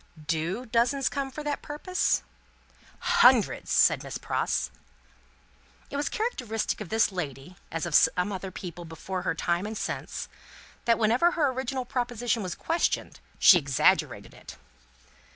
"Do dozens come for that purpose?" "Hundreds," said Miss Pross. It was characteristic of this lady (as of some other people before her time and since) that whenever her original proposition was questioned, she exaggerated it.